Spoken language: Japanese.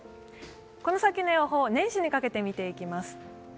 この先の予報、年始にかけて見ていきます。